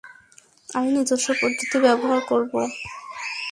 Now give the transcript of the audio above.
আমি নিজস্ব পদ্ধতি ব্যবহার করব।